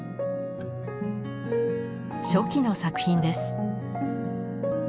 初期の作品です。